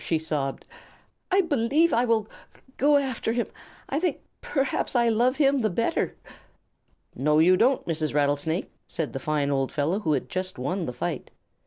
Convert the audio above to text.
she sobbed. "I b believe I will g go after him. I think p perhaps I l love him the b better." "No, you don't, Mrs. Rattlesnake," said the fine old fellow who had just won the fight.